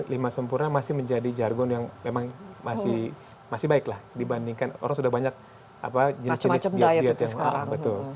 yang lima sempurna masih menjadi jargon yang masih baik dibandingkan orang sudah banyak jenis jenis diet diet yang mahal